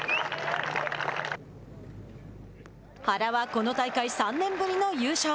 原は、この大会３年ぶりの優勝。